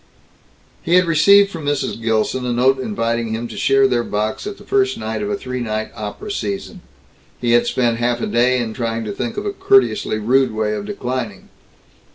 He had received from Mrs. Gilson a note inviting him to share their box at the first night of a three night Opera Season. He had spent half a day in trying to think of a courteously rude way of declining.